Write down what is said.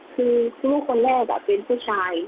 คือลูกคนแรกเป็นผู้ชาย